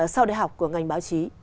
sau đại học của ngành báo chí